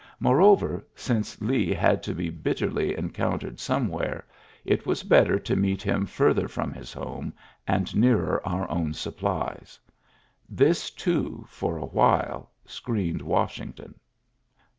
Moreover, since Lee had to be bitterly encountered some where, it was better to meet him further from his home and nearer our own sup plies. This, too, for a while screened Washington.